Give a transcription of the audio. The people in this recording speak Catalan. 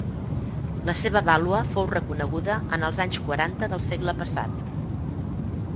La seva vàlua fou reconeguda en els anys quaranta del segle passat.